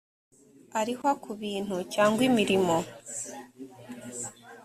arihwa ku bintu cyangwa imirimo